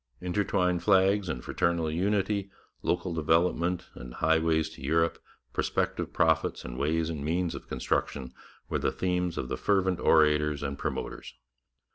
Intertwined flags and fraternal unity, local development and highways to Europe, prospective profits and ways and means of construction, were the themes of the fervent orators and promoters.